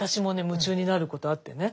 夢中になることあってね。